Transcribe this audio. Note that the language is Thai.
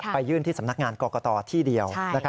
ยื่นที่สำนักงานกรกตที่เดียว